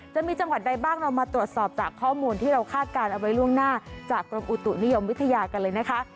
จะมีจังหวัดใดบ้างเรามาตรวจสอบจากข้อมูลที่เราคาดการณ์เอาไว้ล่วงหน้าจากกรมอุตุนิยมวิทยากันเลยนะคะ